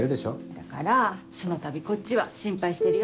だからそのたびこっちは心配してるよ。